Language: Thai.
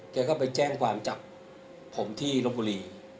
แกก็ไปแจ้งความจับผมที่ลบบุรี